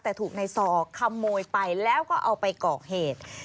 แต่ถูกในซอขโมยไปแล้วก็เอาไปก่อเหตุ